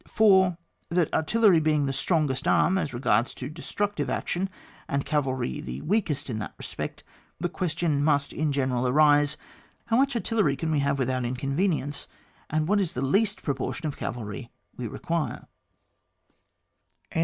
4. That artillery being the strongest arm, as regards destructive action, and cavalry the weakest in that respect, the question must in general arise, how much artillery can we have without inconveni ence, and what is the least proportion of cavalry we require